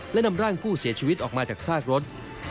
และนำร่างผู้เสียชีวิตออกมาจากซากรถ